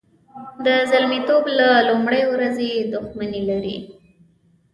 د زلمیتوب له لومړۍ ورځې دښمني لري.